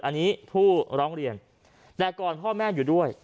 อันนี้ผู้ร้องเรียนแต่ก่อนพ่อแม่อยู่ด้วย